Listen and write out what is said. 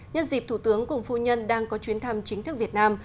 nhân dịp thủ tướng cùng phu nhân đang có chuyến thăm chính thức việt nam